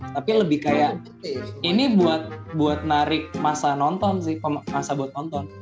tapi lebih kayak ini buat narik masa nonton sih masa buat nonton